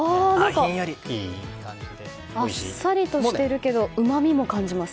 あっさりとしてるけどうまみも感じます。